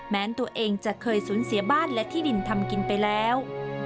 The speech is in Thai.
ตัวเองจะเคยสูญเสียบ้านและที่ดินทำกินไปแล้ว